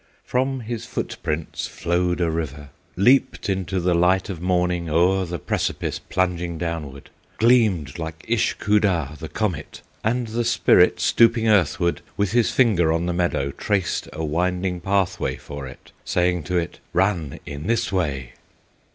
From his footprints flowed a river, Leaped into the light of morning, O'er the precipice plunging downward Gleamed like Ishkoodah, the comet. And the Spirit, stooping earthward, With his finger on the meadow Traced a winding pathway for it, Saying to it, "Run in this way!"